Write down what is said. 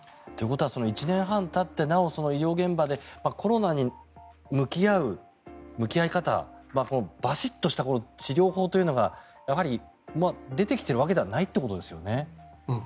１年半たってなお医療現場でコロナと向き合う向き合い方はバシッとした治療法というのがやはり出てきているわけではないということですよね。